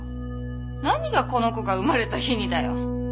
何がこの子が生まれた日にだよ。